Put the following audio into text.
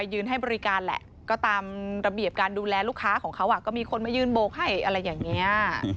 ยืนให้บริการแหละก็ตามระเบียบการดูแลลูกค้าของเขาก็มีคนมายืนโบกให้อะไรอย่างนี้